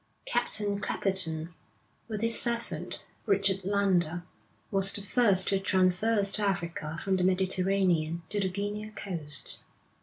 Captain Clapperton, with his servant, Richard Lander, was the first who traversed Africa from the Mediterranean to the Guinea Coast.